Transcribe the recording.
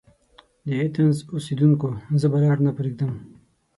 د ایتهنز اوسیدونکیو! زه به لار نه پريږدم.